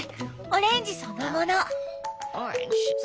オレンジそのもの！